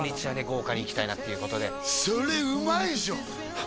豪華にいきたいなっていうことでそれうまいでしょ？